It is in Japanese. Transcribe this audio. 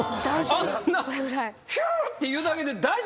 あんなヒューっていうだけで大丈夫なん？